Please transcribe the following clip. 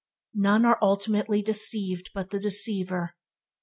None are ultimately deceived but the deceiver.